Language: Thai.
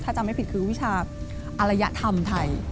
ถ้าจำไม่ผิดคือวิชาอรยธรรมไทย